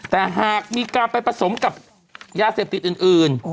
แต่หากมีการไปผสมกับยาเสพติดอื่น